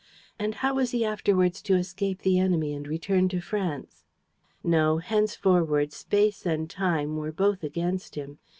And how was he afterwards to escape the enemy and return to France? No, henceforward space and time were both against him.